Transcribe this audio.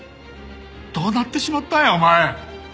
どうなってしまったんやお前！